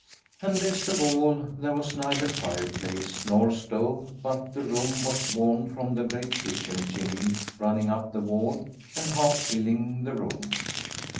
And best of all there was neither fireplace nor stove, but the room was warmed from the great kitchen chimney running up the wall and half filling the room.